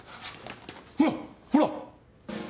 ほらほら！